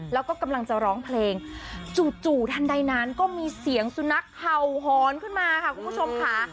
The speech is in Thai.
แล้วก็กำลังจะร้องเพลงจู่ทันใดนั้นก็มีเสียงสุนัขเห่าหอนขึ้นมาค่ะคุณผู้ชมค่ะ